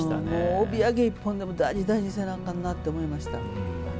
帯揚げ１本でも大事にせんとあかんなと思いました。